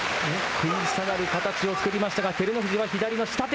食い下がる形を作りましたが照ノ富士は左の下手。